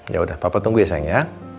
yaudah papa tunggu ya sayang ya